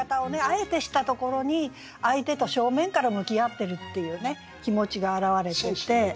あえてしたところに相手と正面から向き合ってるっていう気持ちが表れていて。